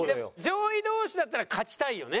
上位同士だったら勝ちたいよね。